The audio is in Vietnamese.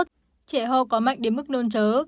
trẻ hò có mạnh đến mức nôn trớ